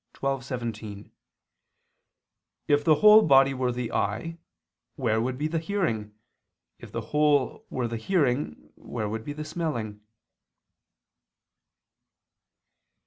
12:17), "If the whole body were the eye, where would be the hearing? If the whole were the hearing, where would be the smelling?"